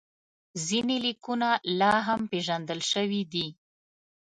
ځینې لیکونه لا هم ناپېژندل شوي دي.